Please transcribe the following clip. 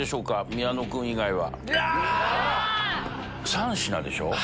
３品でしょ。